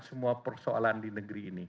semua persoalan di negeri ini